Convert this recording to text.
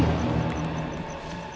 aku akan menggugurmu